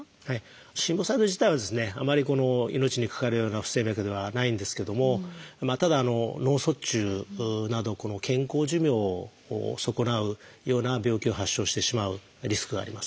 心房細動自体はですねあまり命に関わるような不整脈ではないんですけどもただ脳卒中など健康寿命を損なうような病気を発症してしまうリスクがあります。